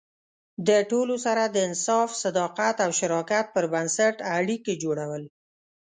د ټولو سره د انصاف، صداقت او شراکت پر بنسټ اړیکې جوړول.